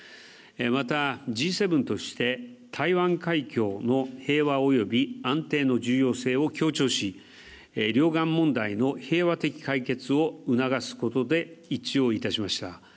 また、Ｇ７として台湾海峡の平和及び安定の重要性を強調し両岸問題の平和的解決を促すことで一致をいたしました。